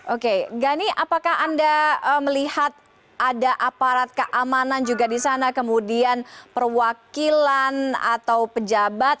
oke gani apakah anda melihat ada aparat keamanan juga di sana kemudian perwakilan atau pejabat